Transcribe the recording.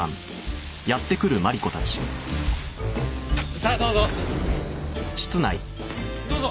さあどうぞ。